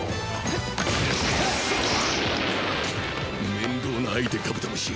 面倒な相手カブトムシ。